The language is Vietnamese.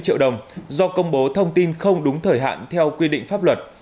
cụ thể công ty cổ phần khu công nghiệp hiệp phước đã công bố thông tin không đúng thời hạn theo quy định pháp luật